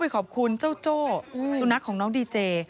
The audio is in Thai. ขอบคุณเจ้าโจ้สุนัขของน้องดีเจ